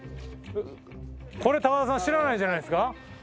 これ高田さん知らないんじゃないですか？